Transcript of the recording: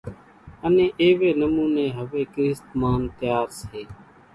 انين ايوي نموني ھوي ڪريست مانَ تيار سي۔